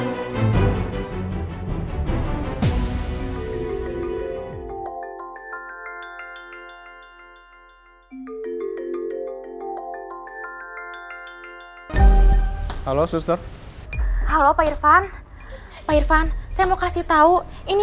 halo suster halo pak irfan pak irfan saya mau kasih tahu ini